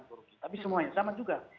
tapi semuanya sama juga